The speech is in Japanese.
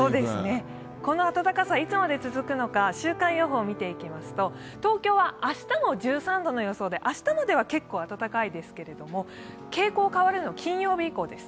この暖かさ、いつまで続くのか週間予報を見ていきますと東京は明日も１３度の予想で明日までは結構、暖かいですけれども傾向が変わるのは金曜日以降です。